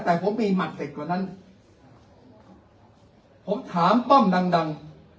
แต่ผมมีหมัดเสร็จกว่านั้นผมถามป้อมดังดัง